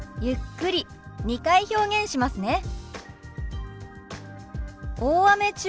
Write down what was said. ゆっくり２回表現しますね。